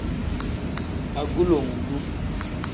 Agulongu.